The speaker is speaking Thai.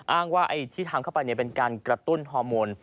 อ้างว่าที่ทำเข้าไปเป็นการกระตุ้นฮอร์โมน